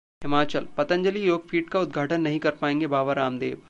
हिमाचलः पतंजलि योगपीठ का उद्घाटन नहीं कर पाएंगे बाबा रामदेव